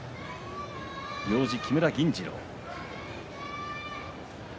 行司は木村銀治郎です。